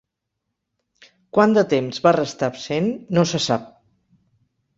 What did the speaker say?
Quant de temps va restar absent, no se sap.